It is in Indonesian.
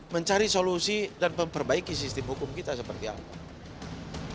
mencari solusi dan memperbaiki sistem hukum kita seperti apa